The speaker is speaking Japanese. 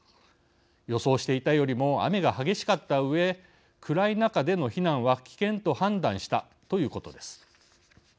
予想していたよりも雨が激しかったうえ暗い中での避難は危険と判断したということです。